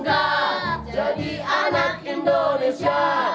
aku bangga jadi anak indonesia